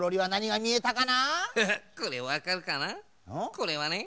これはね